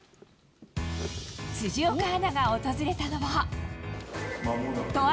辻岡アナが訪れたのは。